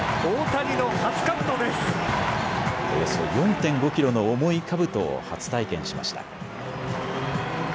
およそ４．５キロの重いかぶとを初体験しました。